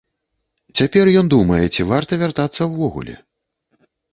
Цяпер ён думае, ці варта вяртацца ўвогуле.